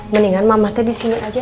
mendingan mamahnya disini aja